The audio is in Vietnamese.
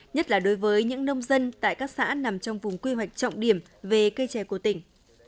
nhất là đối với những nông dân tại các xã nằm trong vùng quy hoạch trọng điểm về cây chè của tỉnh